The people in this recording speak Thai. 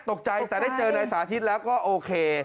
ตกใจแต่ได้เจอนายสาธิตแล้วก็โอเค